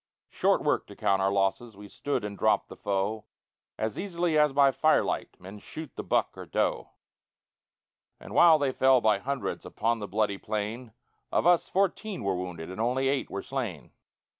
Short work to count our losses We stood and dropped the foe As easily as by firelight Men shoot the buck or doe. And while they fell by hundreds Upon the bloody plain, Of us, fourteen were wounded And only eight were slain.